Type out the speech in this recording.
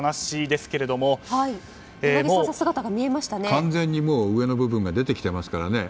完全に上の部分が出てきていますからね。